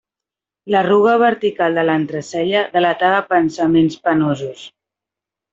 L'arruga vertical de l'entrecella delatava pensaments penosos.